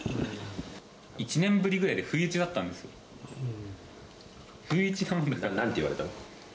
１年ぶりぐらいで、不意打ちだったんですよ。なんて言われたの？